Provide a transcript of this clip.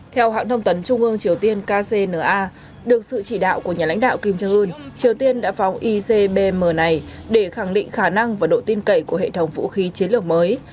theo hãng thông tấn trung ương triều tiên kcna được sự chỉ đạo của nhà lãnh đạo kim jong un triều tiên đã phóng icbm này để khẳng định khả năng và độ tin cậy của hệ thống vũ khí chiến lược mới